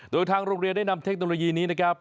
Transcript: โดยทางโรงเรียนได้นำเทคโนโลยีนี้นะครับ